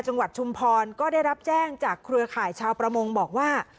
ชุมพรก็ได้รับแจ้งจากเครือข่ายชาวประมงบอกว่า